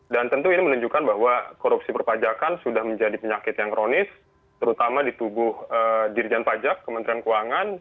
dan tentu ini menunjukkan bahwa korupsi perpajakan sudah menjadi penyakit yang kronis terutama di tubuh dirijen pajak kementerian keuangan